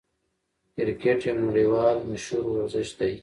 کرکټ یو نړۍوال مشهور ورزش دئ.